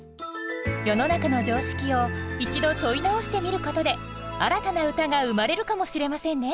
世の中の常識を一度問い直してみることで新たな歌が生まれるかもしれませんね